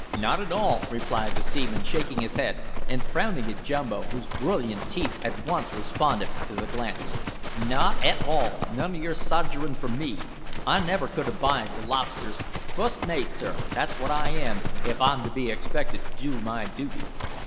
"Not at all," replied the seaman, shaking his head, and frowning at Jumbo, whose brilliant teeth at once responded to the glance, "not at all, none of your sodgerin' for me. I never could abide the lobsters. Fust mate, sir, that's wot I am, if I'm to be expected to do my dooty."